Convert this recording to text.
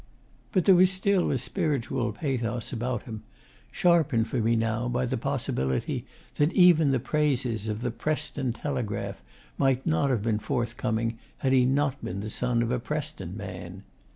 But there was still a spiritual pathos about him, sharpened for me now by the possibility that even the praises of The Preston Telegraph might not have been forthcoming had he not been the son of a Preston man.